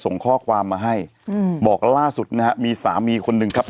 ส่งข้อความมาให้อืมบอกล่าสุดนะฮะมีสามีคนหนึ่งครับ